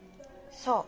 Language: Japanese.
そう。